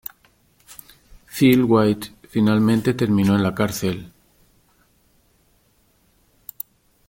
Phil White finalmente terminó en la cárcel.